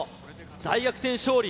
大逆転勝利。